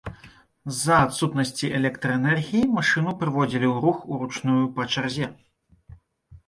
З-за адсутнасці электраэнергіі машыну прыводзілі ў рух уручную па чарзе.